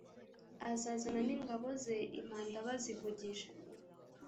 azazana n'ingabo ze, impanda bazivugije,